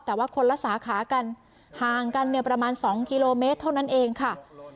แต่ว่าคนละสาขากันห่างกันเนี่ยประมาณ๒กิโลเมตรเท่านั้นเองค่ะ